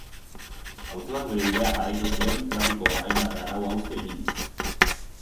Autoak bere bidea jarraitu zuen trafiko hainbat arau-hauste eginez.